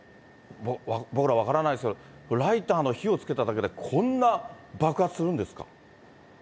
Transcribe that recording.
僕ら分からないですけど、ライターの火をつけただけでこんな爆発するんですか。